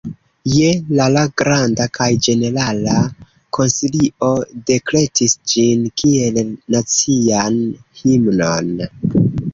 Je la la Granda kaj Ĝenerala Konsilio dekretis ĝin kiel nacian himnon.